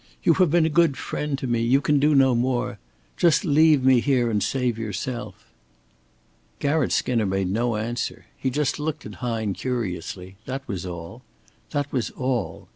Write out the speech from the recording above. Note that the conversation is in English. "You have been a good friend to me. You can do no more. Just leave me here, and save yourself." Garratt Skinner made no answer. He just looked at Hine curiously that was all. That was all.